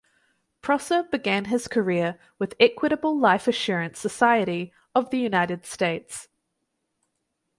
Prosser began his career with Equitable Life Assurance Society of the United States.